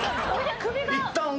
いったん俺。